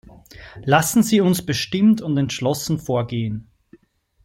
Lassen Sie uns bestimmt und entschlossen vorgehen.